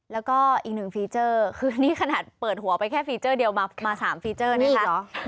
แล้วก็อีกหนึ่งฟีเจอร์คือนี่ขนาดเปิดหัวไปแค่ฟีเจอร์เดียวมา๓ฟีเจอร์นะคะ